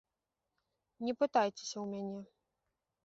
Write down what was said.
Не пытайцеся ў мяне.